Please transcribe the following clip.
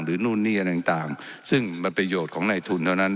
นู่นนี่อะไรต่างซึ่งมันประโยชน์ของในทุนเท่านั้น